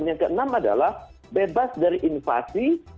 yang keenam adalah bebas dari invasi